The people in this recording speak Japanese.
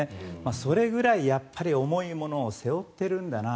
それくらい、やっぱり重いものを背負っているんだな